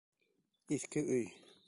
Иҫке өй.